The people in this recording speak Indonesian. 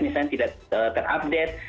misalnya tidak terupgrade